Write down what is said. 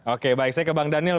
oke baik saya ke bang daniel